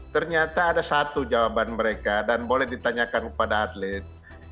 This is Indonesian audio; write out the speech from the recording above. ternyata ada satu jawaban mereka dan boleh ditanyakan kepada atlet